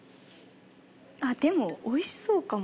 あっでもおいしそうかも。